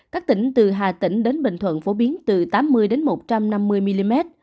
các tỉnh từ hà tĩnh đến bình thuận phổ biến từ tám mươi một trăm năm mươi mm